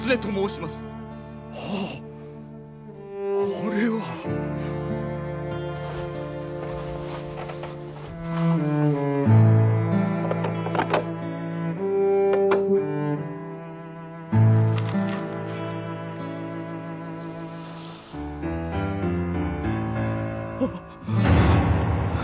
これは。ああ！